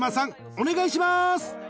お願いします！］